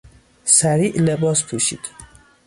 سریع لباش پوشید.